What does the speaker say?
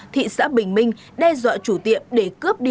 thị xã bình minh đe dọa chủ tiệm để cướp đi